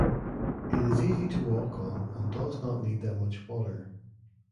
It is easy to walk on and does not need that much water.